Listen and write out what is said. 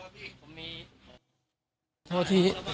ผมนั่งรถแท็กซี่